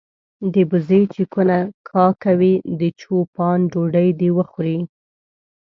د بزې چې کونه کا کوي د چو پان ډوډۍ دي وخوري.